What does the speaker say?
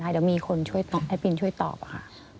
เดี๋ยวมีคนช่วยต้องแอดผลช่วยตอบค่ะ